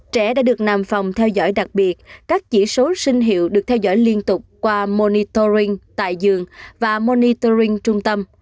trẻ đã được nằm phòng theo dõi đặc biệt các chỉ số sinh hiệu được theo dõi liên tục qua monitoring tại giường và monitoring trung tâm